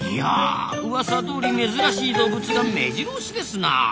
いや！うわさどおり珍しい動物がめじろ押しですな。